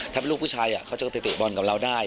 ถ้าเป็นลูกผู้ชายเขาจะไปเตะบอลกับเราได้